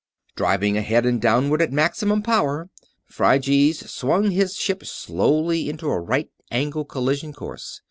Driving ahead and downward, at maximum power, Phryges swung his ship slowly into a right angle collision course.